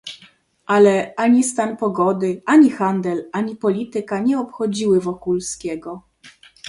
"Ale ani stan pogody, ani handel, ani polityka nie obchodziły Wokulskiego."